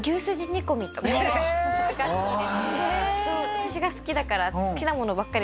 そう私が好きだから。